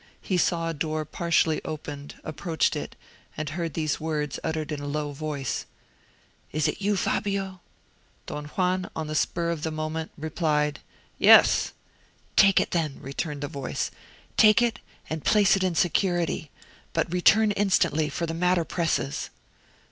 He saw a door partially opened, approached it, and heard these words uttered in a low voice, "Is it you, Fabio?" Don Juan, on the spur of the moment, replied, "Yes!" "Take it, then," returned the voice, "take it, and place it in security; but return instantly, for the matter presses."